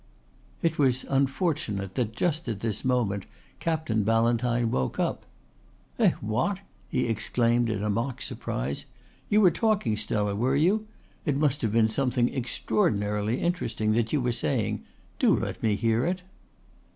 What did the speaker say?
It was unfortunate that just at this moment Captain Ballantyne woke up. "Eh what!" he exclaimed in a mock surprise. "You were talking, Stella, were you? It must have been something extraordinarily interesting that you were saying. Do let me hear it."